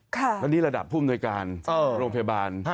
แล้านี่ระดับภูมิโรงพยาบาล